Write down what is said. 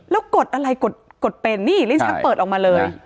แล้วกดอะไรกดเป็นนี่ลิ้นชักเปิดออกมาเลย